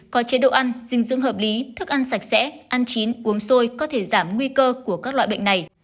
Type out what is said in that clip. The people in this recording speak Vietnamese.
có chế độ ăn dinh dưỡng hợp lý thức ăn sạch sẽ ăn chín uống sôi có thể giảm nguy cơ của các loại bệnh này